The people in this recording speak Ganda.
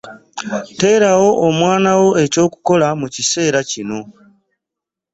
Terawo omwana wo eky'okukola mu kiseera kino.